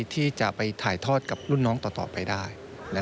ที่จะไปถ่ายทอดกับรุ่นน้องต่อไปได้